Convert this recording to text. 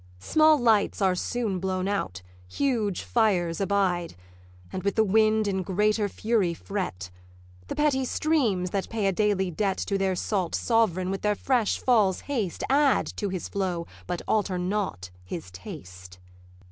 Small lights are soon blown out, huge fires abide, And with the wind in greater fury fret: The petty streams that pay a daily debt To their salt sovereign, with their fresh falls' haste Add to his flow, but alter not his taste.'